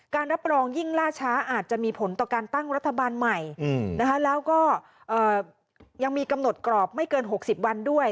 รับรองยิ่งล่าช้าอาจจะมีผลต่อการตั้งรัฐบาลใหม่แล้วก็ยังมีกำหนดกรอบไม่เกิน๖๐วันด้วย